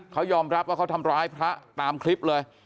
เขายอมรับว่าเขาทำร้ายพระตามคลิปเลย